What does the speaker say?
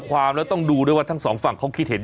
สามารถดูข้าเที่ยงนี้เลย